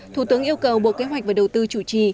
thủ tướng yêu cầu bộ kế hoạch và đầu tư chủ trì